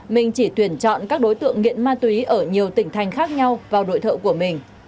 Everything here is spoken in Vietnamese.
minh chỉ tuyển chọn các đối tượng nghiện ma túy ở nhiều tỉnh thành khác nhau vào đội thợ của mình